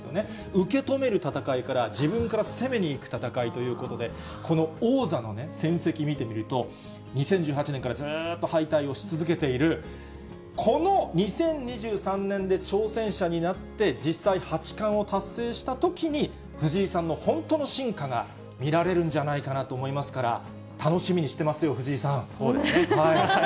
受け止める戦いから、自分から攻めにいく戦いということで、この王座の戦績見てみると、２０１８年からずーっと敗退をし続けている、この２０２３年で挑戦者になって、実際八冠を達成したときに、藤井さんの本当の真価が見られるんじゃないかなと思いますから、そうですね。